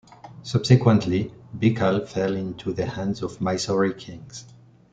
Subsequently, Bekal fell into the hands of Mysore kings.